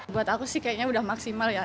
buat aku sih kayaknya udah maksimal ya